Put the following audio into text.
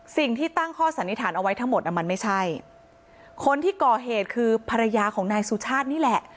สิ่งที่ตั้งข้อสันนิษฐานเอาไว้ทั้งหมดมันไม่ใช่คนที่ก่อเหตุคือภรรยาของนายสุชาตินี่แหละ